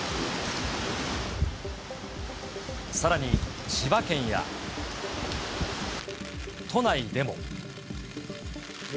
さらに、千葉県や都内でも。